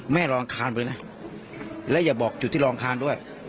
แม่รองคารไปเลยนะและอย่าบอกอยู่ที่รองคารด้วย